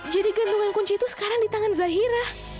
jangan enggak usah suster